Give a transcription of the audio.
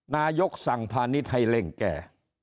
นายกสั่งพาณิชย์ให้เร่งแก้